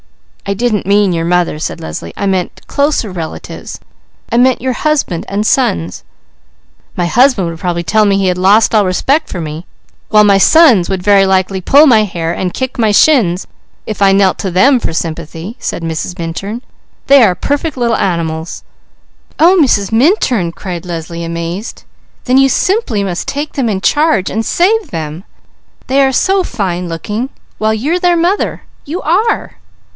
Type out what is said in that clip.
"I didn't mean your mother," said Leslie. "I meant closer relatives, I meant your husband and sons." "My husband would probably tell me he had lost all respect for me, while my sons would very likely pull my hair and kick my shins if I knelt to them for sympathy," said Mrs. Minturn. "They are perfect little animals." "Oh Mrs. Minturn!" cried Leslie amazed. "Then you simply must take them in charge and save them; they are so fine looking, while you're their mother, you are!"